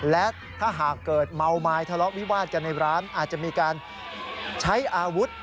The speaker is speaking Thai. และถ้าหากเกิดเมาไม้ทะเลาะวิวาดกันในร้านอาจจะมีการใช้อาวุธ